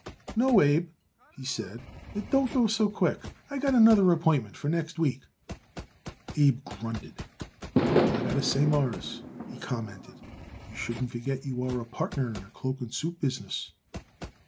"No, Abe," he said, "it don't go so quick. I got another appointment for next week." Abe grunted. "All I got to say, Mawruss," he commented, "you shouldn't forget you are a partner in a cloak and suit business."